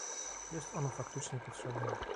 Jest ono faktycznie potrzebne